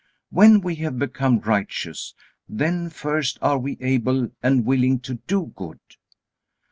When we have become righteous, then first are we able and willing to do good.